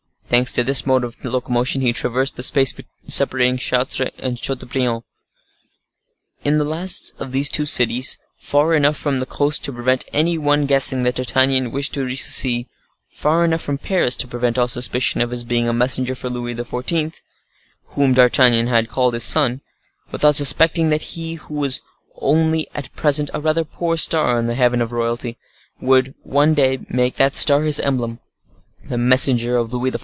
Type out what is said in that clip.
Thanks to this mode of locomotion, he traversed the space separating Chartres from Chateaubriand. In the last of these two cities, far enough from the coast to prevent any one guessing that D'Artagnan wished to reach the sea—far enough from Paris to prevent all suspicion of his being a messenger from Louis XIV., whom D'Artagnan had called his sun, without suspecting that he who was only at present a rather poor star in the heaven of royalty, would, one day, make that star his emblem; the messenger of Louis XIV.